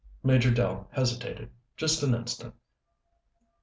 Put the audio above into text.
Major Dell hesitated, just an instant.